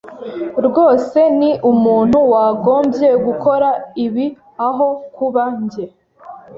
rwose ni umuntu wagombye gukora ibi aho kuba njye.